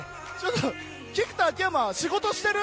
菊田、秋山、仕事してる？